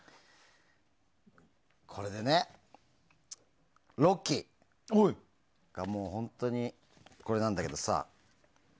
これでね、「ロッキー」がもう本当に、これなんだけどさ。